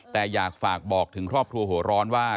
แต่อยากฝากบอกถึงครอบครัวหัวร้อนว่า